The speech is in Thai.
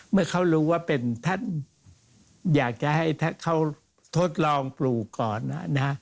เมื่อเขารู้ว่าเป็นท่านอยากจะให้เขาทดลองปลูกก่อนนะ